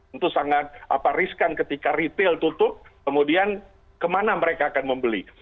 itu sangat riskan ketika retail tutup kemudian kemana mereka akan membeli